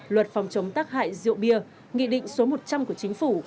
luật phòng chống tác hại rượu bia nghị định số một trăm linh của chính phủ